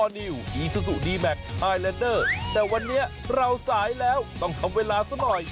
อ้อนิวอีซูซูดีแมรปไฮลานเดอร์แต่วันนี้เราต้องทำเวลาสักหน่อย